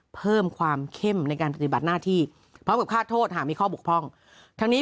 เพิ่มความเข้มในการปฏิบัติหน้าที่